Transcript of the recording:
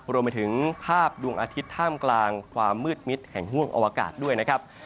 รวมไปถึงภาพดวงอาทิตย์ท่ามกลางความมืดมิดแห่งห่วงอวกาศด้วยนะครับ